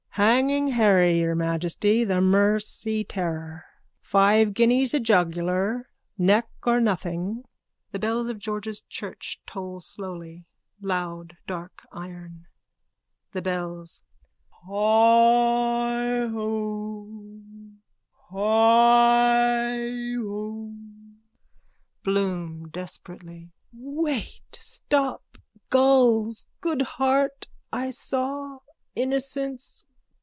_ Hanging Harry, your Majesty, the Mersey terror. Five guineas a jugular. Neck or nothing. (The bells of George's church toll slowly, loud dark iron.) THE BELLS: Heigho! Heigho! BLOOM: (Desperately.) Wait. Stop. Gulls. Good heart. I saw. Innocence.